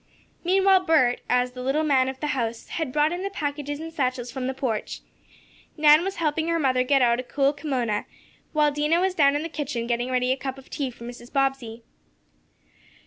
Meanwhile Bert, as the "little man of the house," had brought in the packages and satchels from the porch. Nan was helping her mother get out a cool kimona, while Dinah was down in the kitchen getting ready a cup of tea for Mrs. Bobbsey.